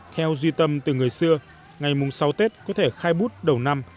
theo duy tâm từ người xưa ngày mùng sáu tết có thể khai bút đầu năm